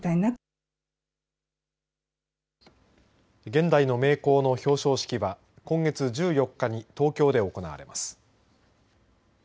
現代の名工の表彰式は今月１４日に東京で行われます。